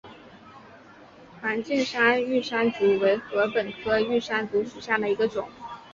梵净山玉山竹为禾本科玉山竹属下的一个种。